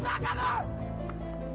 kakak jalan dulu ya